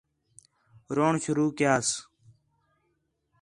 روݨ شروع کیاس